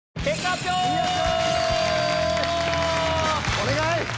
お願い！